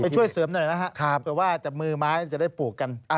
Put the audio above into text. ไปช่วยเสริมหน่อยนะครับเดี๋ยวว่ามือไม้จะได้ปลูก